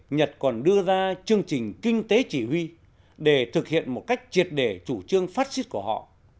nhật còn đưa ra chương trình kinh tế chỉ huy để thực hiện một cách triệt đề chủ trương phát xít của họ